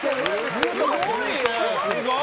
すごいな！